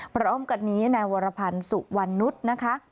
พร้อมกันนี้นายวรพันธ์สุวรรณนุษย์นะคะ